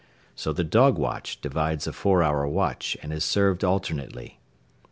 So the dog watch divides a four hour watch and is served alternately.